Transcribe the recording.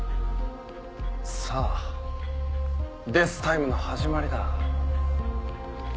さぁデスタイムの始まりだ。